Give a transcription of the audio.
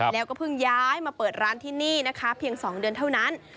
แล้วก็เพิ่งย้ายมาเปิดร้านที่นี่นะคะเพียง๒เดือนเท่านั้น